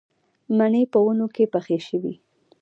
مڼې په ونو کې پخې شوې